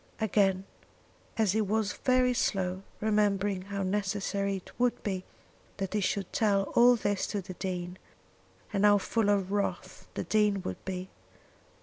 Again he was very slow, remembering how necessary it would be that he should tell all this to the Dean, and how full of wrath the Dean would be.